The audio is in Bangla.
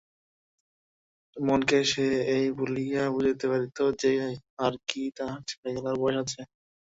মনকে সে এই বলিয়া বুঝাইতে পারিত যে আর কী তাহার ছেলেখেলার বয়স আছে?